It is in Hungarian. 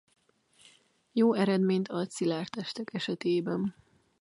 Jó eredményt ad szilárd testek esetében.